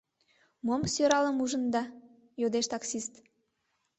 — Мом сӧралым ужында? — йодеш таксист.